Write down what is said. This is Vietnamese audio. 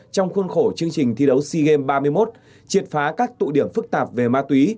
trong khuôn khổ chương trình thi đấu sea games ba mươi một triệt phá các tụ điểm phức tạp về ma túy